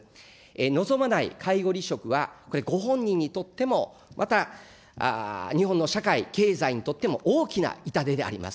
望まない介護離職はこれ、ご本人にとっても、また日本の社会、経済にとっても大きな痛手であります。